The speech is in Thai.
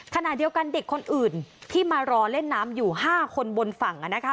ขณะเดียวกันเด็กคนอื่นที่มารอเล่นน้ำอยู่๕คนบนฝั่งนะคะ